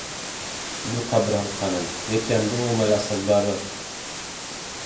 -دوو قەبر هەڵقەنن، یەکیان بۆ ئەو مەلا سەگبابە!